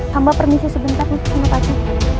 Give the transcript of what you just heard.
sambah permisi sebentar bu susino pati